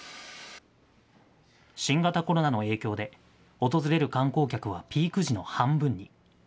新型コロナの影響で、訪れる観光客はピーク時の半分に。